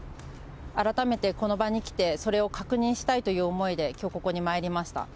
改めてこの場に来て、それを確認したいという思いで、きょうここに参りました。